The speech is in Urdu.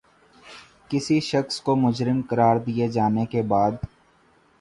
کسی شخص کو مجرم قراد دیے جانے کے بعد